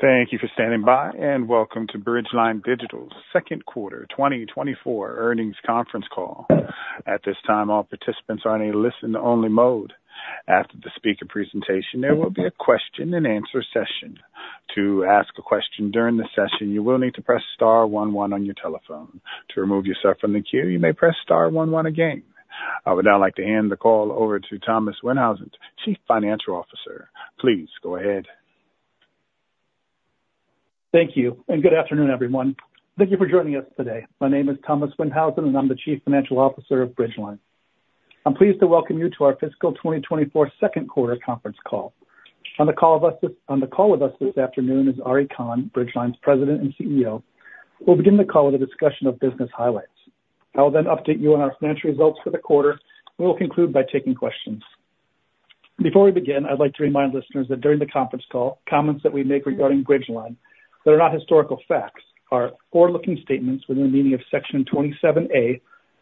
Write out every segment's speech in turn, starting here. Thank you for standing by, and welcome to Bridgeline Digital's second quarter 2024 earnings conference call. At this time, all participants are in a listen-only mode. After the speaker presentation, there will be a question-and-answer session. To ask a question during the session, you will need to press star one one on your telephone. To remove yourself from the queue, you may press star 11 again. I would now like to hand the call over to Thomas Windhausen, Chief Financial Officer. Please go ahead. Thank you, and good afternoon, everyone. Thank you for joining us today. My name is Thomas Windhausen, and I'm the Chief Financial Officer of Bridgeline. I'm pleased to welcome you to our fiscal 2024 second quarter conference call. On the call with us this afternoon is Ari Kahn, Bridgeline's President and CEO. We'll begin the call with a discussion of business highlights. I will then update you on our financial results for the quarter, and we will conclude by taking questions. Before we begin, I'd like to remind listeners that during the conference call, comments that we make regarding Bridgeline that are not historical facts are forward-looking statements within the meaning of Section 27A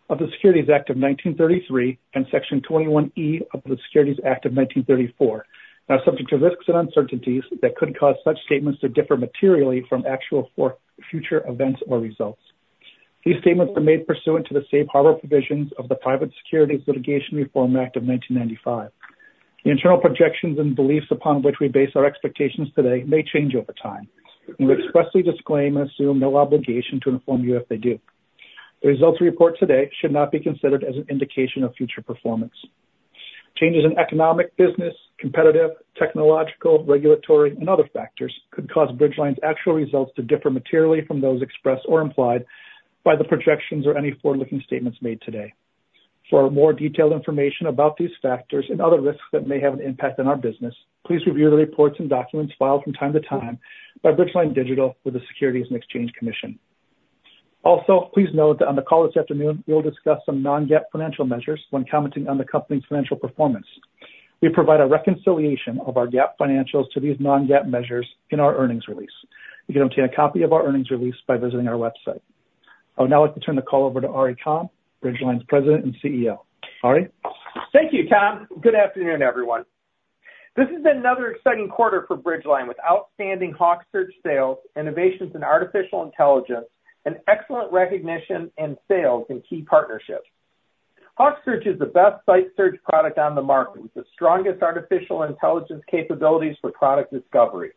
of the Securities Act of 1933 and Section 21E of the Securities Act of 1934, and are subject to risks and uncertainties that could cause such statements to differ materially from actual future events or results. These statements are made pursuant to the Safe Harbor provisions of the Private Securities Litigation Reform Act of 1995. The internal projections and beliefs upon which we base our expectations today may change over time, and we expressly disclaim and assume no obligation to inform you if they do. The results we report today should not be considered as an indication of future performance. Changes in economic, business, competitive, technological, regulatory, and other factors could cause Bridgeline's actual results to differ materially from those expressed or implied by the projections or any forward-looking statements made today. For more detailed information about these factors and other risks that may have an impact on our business, please review the reports and documents filed from time to time by Bridgeline Digital with the Securities and Exchange Commission. Also, please note that on the call this afternoon, we will discuss some Non-GAAP financial measures when commenting on the company's financial performance. We provide a reconciliation of our GAAP financials to these Non-GAAP measures in our earnings release. You can obtain a copy of our earnings release by visiting our website. I would now like to turn the call over to Ari Kahn, Bridgeline's President and CEO. Ari? Thank you, Kahn. Good afternoon, everyone. This is another exciting quarter for Bridgeline with outstanding HawkSearch sales, innovations in artificial intelligence, and excellent recognition in sales and key partnerships. HawkSearch is the best site search product on the market with the strongest artificial intelligence capabilities for product discovery.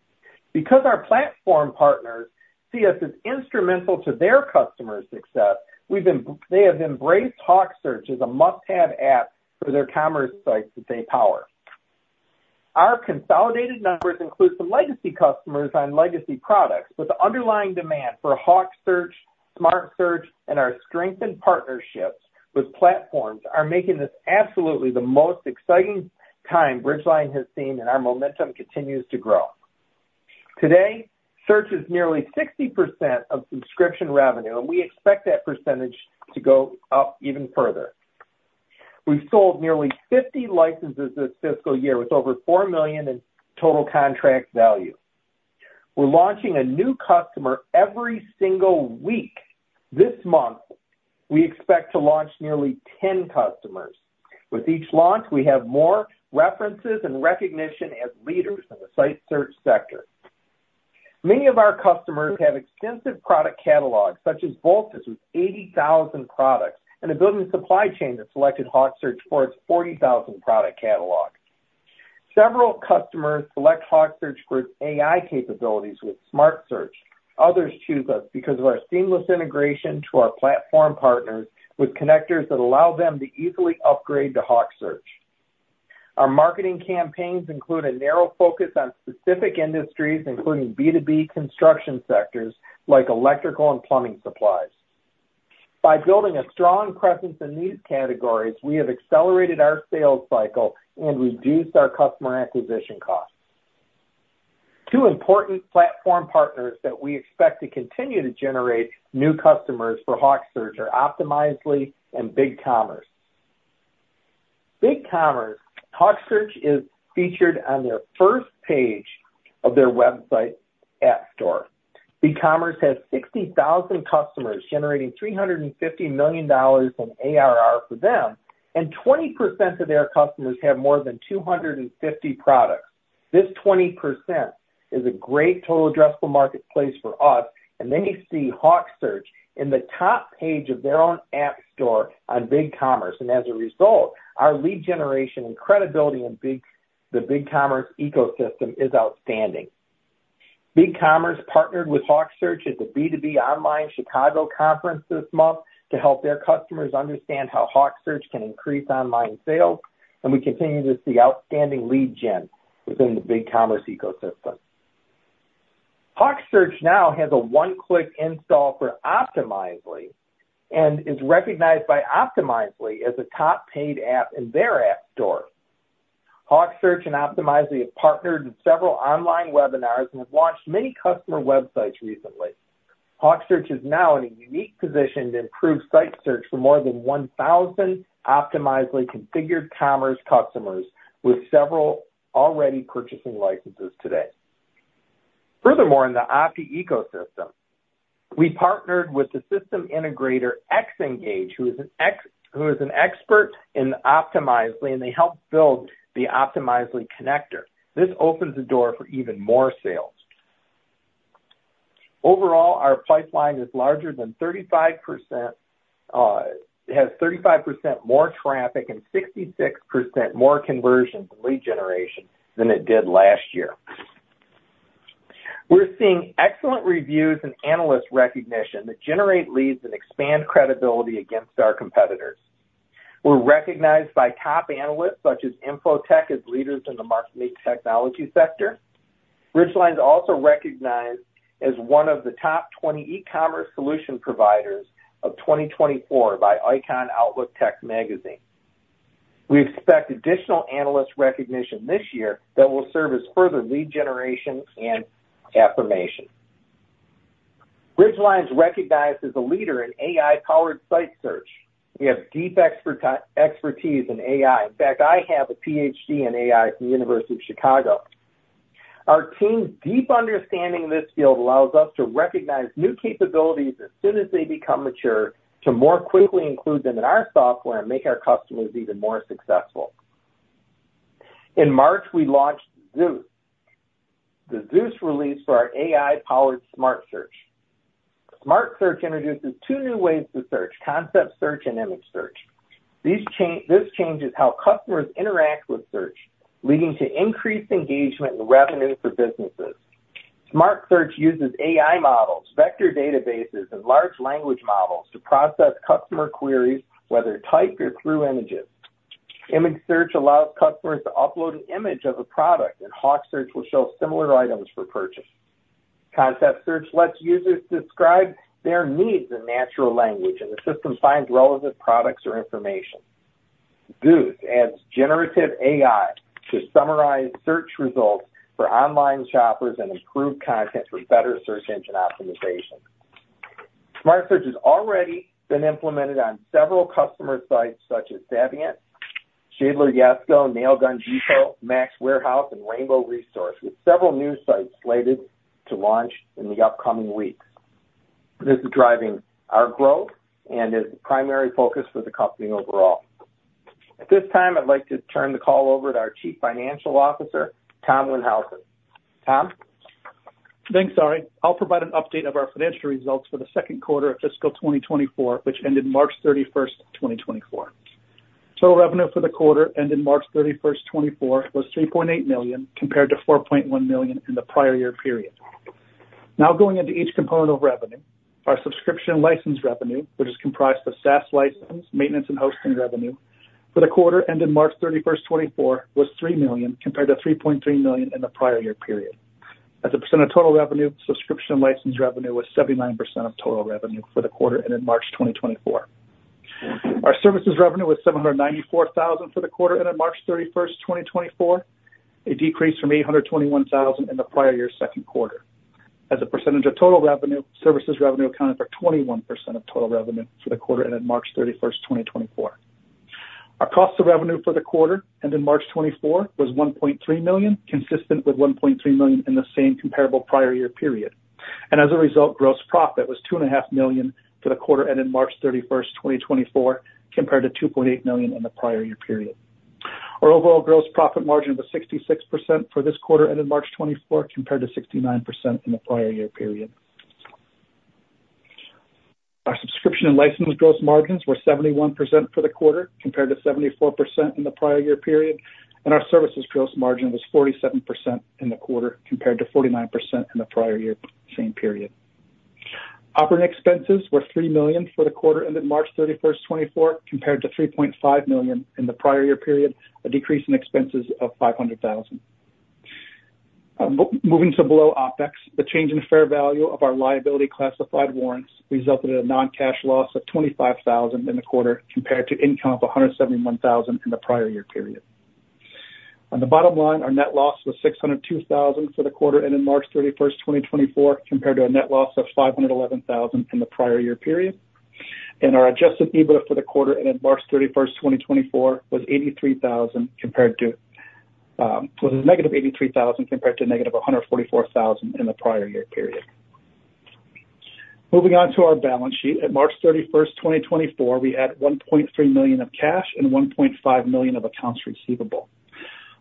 Because our platform partners see us as instrumental to their customers' success, they have embraced HawkSearch as a must-have app for their commerce sites that they power. Our consolidated numbers include some legacy customers on legacy products, but the underlying demand for HawkSearch, SmartSearch, and our strengthened partnerships with platforms are making this absolutely the most exciting time Bridgeline has seen, and our momentum continues to grow. Today, search is nearly 60% of subscription revenue, and we expect that percentage to go up even further. We've sold nearly 50 licenses this fiscal year with over $4 million in total contract value. We're launching a new customer every single week. This month, we expect to launch nearly 10 customers. With each launch, we have more references and recognition as leaders in the site search sector. Many of our customers have extensive product catalogs, such as Voltus with 80,000 products and a building supply chain that selected HawkSearch for its 40,000 product catalog. Several customers select HawkSearch for its AI capabilities with Smart Search. Others choose us because of our seamless integration to our platform partners with connectors that allow them to easily upgrade to HawkSearch. Our marketing campaigns include a narrow focus on specific industries, including B2B construction sectors like electrical and plumbing supplies. By building a strong presence in these categories, we have accelerated our sales cycle and reduced our customer acquisition costs. Two important platform partners that we expect to continue to generate new customers for HawkSearch are Optimizely and BigCommerce. BigCommerce, HawkSearch is featured on their first page of their website app store. BigCommerce has 60,000 customers generating $350 million in ARR for them, and 20% of their customers have more than 250 products. This 20% is a great total addressable marketplace for us, and they see HawkSearch in the top page of their own app store on BigCommerce. And as a result, our lead generation and credibility in the BigCommerce ecosystem is outstanding. BigCommerce partnered with HawkSearch at the B2B Online Chicago Conference this month to help their customers understand how HawkSearch can increase online sales, and we continue to see outstanding lead gen within the BigCommerce ecosystem. HawkSearch now has a one-click install for Optimizely and is recognized by Optimizely as a top-paid app in their app store. HawkSearch and Optimizely have partnered in several online webinars and have launched many customer websites recently. HawkSearch is now in a unique position to improve site search for more than 1,000 Optimizely configured commerce customers with several already purchasing licenses today. Furthermore, in the Optimizely ecosystem, we partnered with the system integrator Xngage, who is an expert in Optimizely, and they helped build the Optimizely connector. This opens the door for even more sales. Overall, our pipeline has 35% more traffic and 66% more conversions and lead generation than it did last year. We're seeing excellent reviews and analyst recognition that generate leads and expand credibility against our competitors. We're recognized by top analysts such as Info-Tech as leaders in the marketing technology sector. Bridgeline is also recognized as one of the top 20 e-commerce solution providers of 2024 by Icon Outlook Technology Magazine. We expect additional analyst recognition this year that will serve as further lead generation and affirmation. Bridgeline is recognized as a leader in AI-powered site search. We have deep expertise in AI. In fact, I have a PhD in AI from the University of Chicago. Our team's deep understanding of this field allows us to recognize new capabilities as soon as they become mature to more quickly include them in our software and make our customers even more successful. In March, we launched Zeus, the Zeus release for our AI-powered Smart Search. Smart Search introduces two new ways to search: concept search and image search. This changes how customers interact with search, leading to increased engagement and revenue for businesses. Smart Search uses AI models, vector databases, and large language models to process customer queries, whether type or through images. Image search allows customers to upload an image of a product, and HawkSearch will show similar items for purchase. Concept search lets users describe their needs in natural language, and the system finds relevant products or information. Zeus adds generative AI to summarize search results for online shoppers and improve content for better search engine optimization. Smart Search has already been implemented on several customer sites such as Saviynt, Schaedler Yesco, Nail Gun Depot, Max Warehouse, and Rainbow Resource, with several new sites slated to launch in the upcoming weeks. This is driving our growth and is the primary focus for the company overall. At this time, I'd like to turn the call over to our Chief Financial Officer, Tom Windhausen. Tom? Thanks, Ari. I'll provide an update of our financial results for the second quarter of fiscal 2024, which ended March 31st, 2024. Total revenue for the quarter ended March 31st, 2024, was $3.8 million compared to $4.1 million in the prior year period. Now, going into each component of revenue, our subscription license revenue, which is comprised of SaaS license, maintenance, and hosting revenue for the quarter ended March 31st, 2024, was $3 million compared to $3.3 million in the prior year period. As a percent of total revenue, subscription license revenue was 79% of total revenue for the quarter ended March 2024. Our services revenue was $794,000 for the quarter ended March 31st, 2024, a decrease from $821,000 in the prior year's second quarter. As a percentage of total revenue, services revenue accounted for 21% of total revenue for the quarter ended March 31st, 2024. Our cost of revenue for the quarter ended March 2024 was $1.3 million, consistent with $1.3 million in the same comparable prior year period. And as a result, gross profit was $2.5 million for the quarter ended March 31st, 2024, compared to $2.8 million in the prior year period. Our overall gross profit margin was 66% for this quarter ended March 2024, compared to 69% in the prior year period. Our subscription and license gross margins were 71% for the quarter, compared to 74% in the prior year period. And our services gross margin was 47% in the quarter, compared to 49% in the prior year same period. Operating expenses were $3 million for the quarter ended March 31st, 2024, compared to $3.5 million in the prior year period, a decrease in expenses of $500,000. Moving to below OpEx, the change in fair value of our liability classified warrants resulted in a non-cash loss of $25,000 in the quarter, compared to income of $171,000 in the prior year period. On the bottom line, our net loss was $602,000 for the quarter ended March 31st, 2024, compared to a net loss of $511,000 in the prior year period. Our Adjusted EBITDA for the quarter ended March 31st, 2024, was $83,000, compared to it was -$83,000, compared to -$144,000 in the prior year period. Moving on to our balance sheet, at March 31st, 2024, we had $1.3 million of cash and $1.5 million of accounts receivable.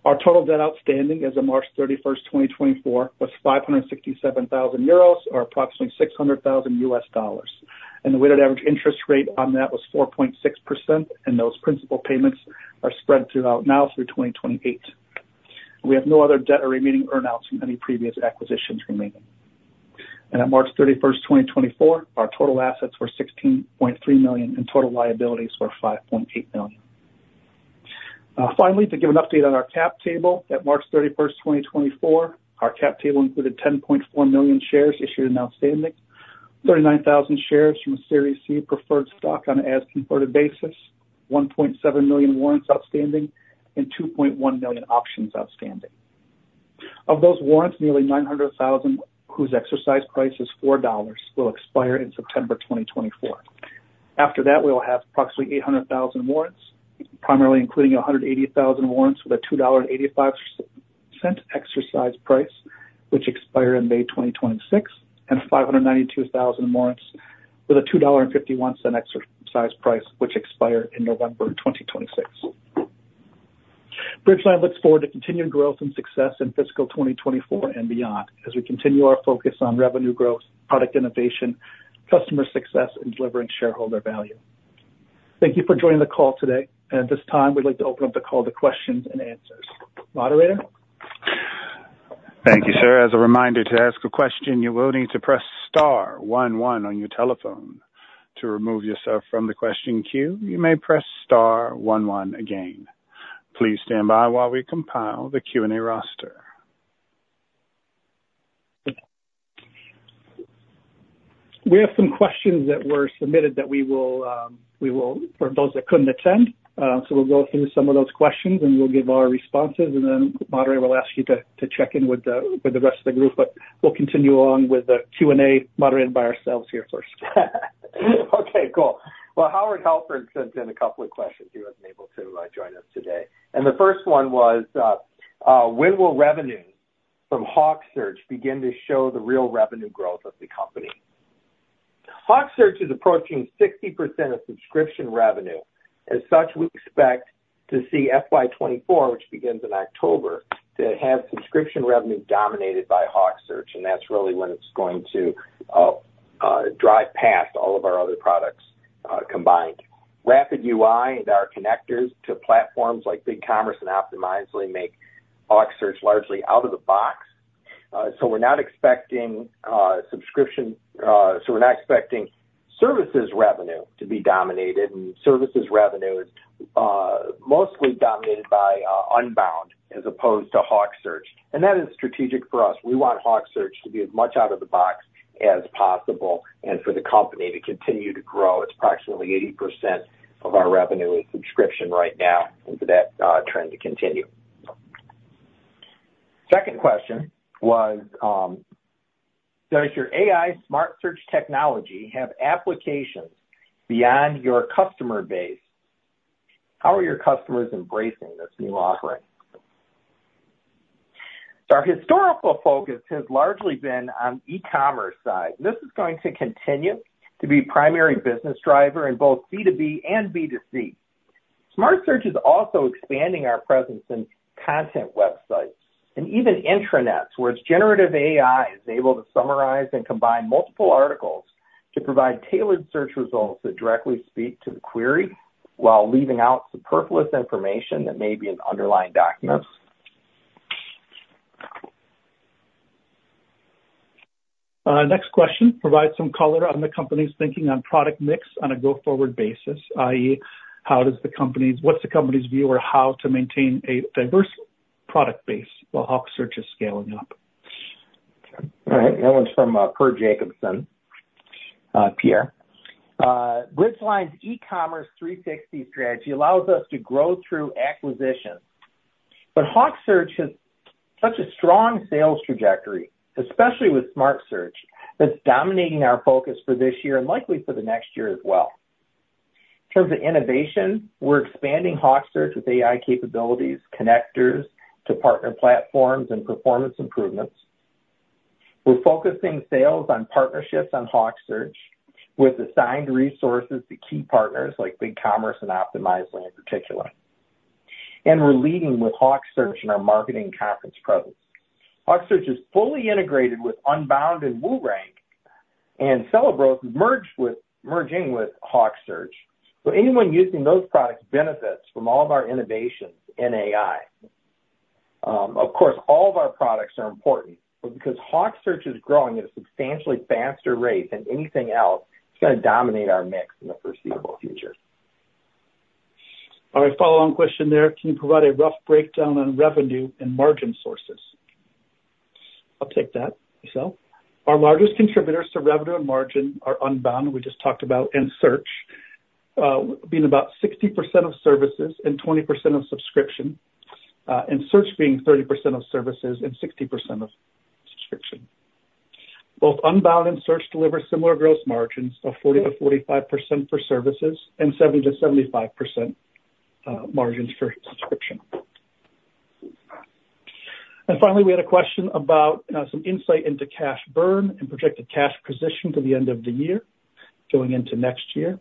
Our total debt outstanding as of March 31st, 2024, was 567,000 euros or approximately $600,000. The weighted average interest rate on that was 4.6%, and those principal payments are spread throughout now through 2028. We have no other debt or remaining earnouts from any previous acquisitions remaining. At March 31st, 2024, our total assets were $16.3 million and total liabilities were $5.8 million. Finally, to give an update on our cap table, at March 31st, 2024, our cap table included 10.4 million shares issued and outstanding, 39,000 shares from a Series C preferred stock on an as-converted basis, 1.7 million warrants outstanding, and 2.1 million options outstanding. Of those warrants, nearly 900,000, whose exercise price is $4, will expire in September 2024. After that, we will have approximately 800,000 warrants, primarily including 180,000 warrants with a $2.85 exercise price, which expire in May 2026, and 592,000 warrants with a $2.51 exercise price, which expire in November 2026. Bridgeline looks forward to continued growth and success in fiscal 2024 and beyond as we continue our focus on revenue growth, product innovation, customer success, and delivering shareholder value. Thank you for joining the call today. At this time, we'd like to open up the call to questions and answers. Moderator? Thank you, sir. As a reminder, to ask a question, you will need to press star one one on your telephone. To remove yourself from the question queue, you may press star one one again. Please stand by while we compile the Q&A roster. We have some questions that were submitted that we will, for those that couldn't attend. We'll go through some of those questions, and we'll give our responses. Then, Moderator, we'll ask you to check in with the rest of the group. We'll continue along with the Q&A moderated by ourselves here first. Okay. Cool. Well, Howard Halpern sent in a couple of questions. He wasn't able to join us today. The first one was, when will revenue from HawkSearch begin to show the real revenue growth of the company? HawkSearch is approaching 60% of subscription revenue. As such, we expect to see FY 2024, which begins in October, to have subscription revenue dominated by HawkSearch. And that's really when it's going to drive past all of our other products combined. RapidUI and our connectors to platforms like BigCommerce and Optimizely make HawkSearch largely out of the box. So we're not expecting subscription so we're not expecting services revenue to be dominated. And services revenue is mostly dominated by Unbound as opposed to HawkSearch. And that is strategic for us. We want HawkSearch to be as much out of the box as possible and for the company to continue to grow. It's approximately 80% of our revenue is subscription right now, and for that trend to continue. Second question was, does your AI smart search technology have applications beyond your customer base? How are your customers embracing this new offering? So our historical focus has largely been on e-commerce side. This is going to continue to be a primary business driver in both B2B and B2C. Smart search is also expanding our presence in content websites and even intranets, where generative AI is able to summarize and combine multiple articles to provide tailored search results that directly speak to the query while leaving out superfluous information that may be in underlying documents. Next question. Provide some color on the company's thinking on product mix on a go-forward basis, i.e., what's the company's view on how to maintain a diverse product base while HawkSearch is scaling up? All right. That one's from Per Jacobsen. Bridgeline's eCommerce 360 strategy allows us to grow through acquisitions. But HawkSearch has such a strong sales trajectory, especially with Smart Search, that's dominating our focus for this year and likely for the next year as well. In terms of innovation, we're expanding HawkSearch with AI capabilities, connectors to partner platforms, and performance improvements. We're focusing sales on partnerships on HawkSearch with assigned resources to key partners like BigCommerce and Optimizely in particular. And we're leading with HawkSearch in our marketing conference presence. HawkSearch is fully integrated with Unbound and WooRank, and Celebros is merging with HawkSearch. So anyone using those products benefits from all of our innovations in AI. Of course, all of our products are important. But because HawkSearch is growing at a substantially faster rate than anything else, it's going to dominate our mix in the foreseeable future. All right. Follow-on question there. Can you provide a rough breakdown on revenue and margin sources? I'll take that, myself. Our largest contributors to revenue and margin are Unbound, we just talked about, and Search, being about 60% of services and 20% of subscription, and Search being 30% of services and 60% of subscription. Both Unbound and Search deliver similar gross margins of 40%-45% for services and 70%-75% margins for subscription. And finally, we had a question about some insight into cash burn and projected cash position to the end of the year, going into next year.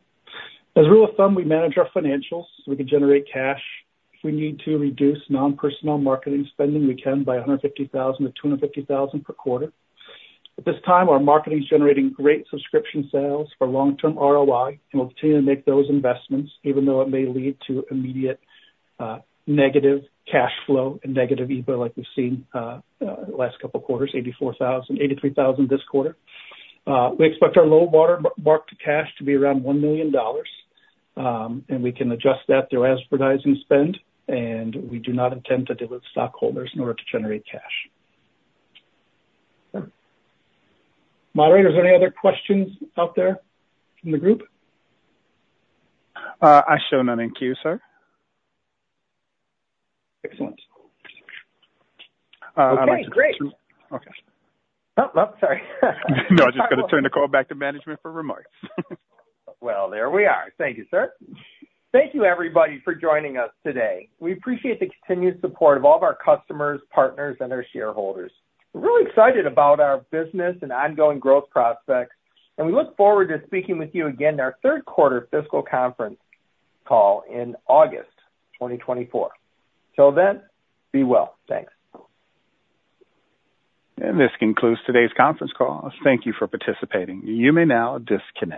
As a rule of thumb, we manage our financials so we can generate cash. If we need to reduce non-personnel marketing spending, we can by $150,000-$250,000 per quarter. At this time, our marketing is generating great subscription sales for long-term ROI, and we'll continue to make those investments, even though it may lead to immediate negative cash flow and negative EBITDA like we've seen the last couple of quarters, $83,000 this quarter. We expect our low watermarked cash to be around $1 million. We can adjust that through advertising spend. We do not intend to dilute stockholders in order to generate cash. Moderator, is there any other questions out there from the group? I show none. Thank you, sir. Excellent. Okay. Great. Okay. Nope. Nope. Sorry. No, I just got to turn the call back to management for remarks. Well, there we are. Thank you, sir. Thank you, everybody, for joining us today. We appreciate the continued support of all of our customers, partners, and our shareholders. We're really excited about our business and ongoing growth prospects. And we look forward to speaking with you again at our third-quarter fiscal conference call in August 2024. Till then, be well. Thanks. This concludes today's conference call. Thank you for participating. You may now disconnect.